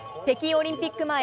北京オリンピック